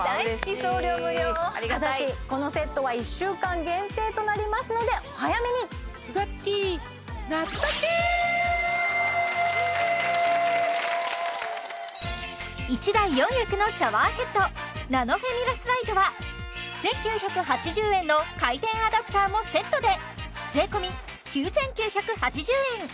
送料無料わ嬉しいありがたいただしこのセットは１週間限定となりますのでお早めに１台４役のシャワーヘッドナノフェミラスライトは１９８０円の回転アダプターもセットで税込９９８０円